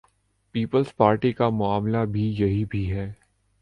Peoples Party کا معاملہ بھی یہی بھی ہے۔